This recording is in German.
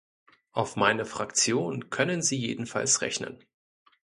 Auf meine Fraktion können Sie jedenfalls rechnen.